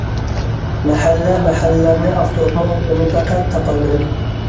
مەھەللە- مەھەللىلەرنى ئاختۇرۇپمۇ ئۇنى پەقەت تاپالمىدىم.